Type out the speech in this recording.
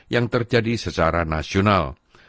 yang terjadi secara nasional